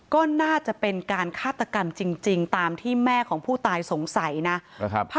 ก็น่าจะเป็นการฆาตกรรมจริงตามที่แม่ของผู้ตายสงสัยนะครับ